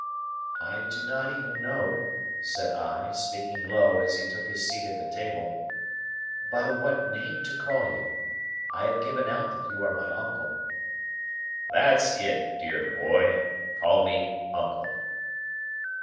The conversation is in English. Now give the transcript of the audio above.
"I do not even know," said I, speaking low as he took his seat at the table, "by what name to call you. I have given out that you are my uncle." "That's it, dear boy! Call me uncle."